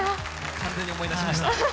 完全に思い出しました。